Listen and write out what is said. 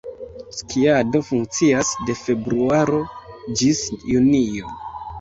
Skiado funkcias de februaro ĝis junio.